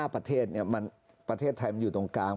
ประเทศประเทศไทยมันอยู่ตรงกลาง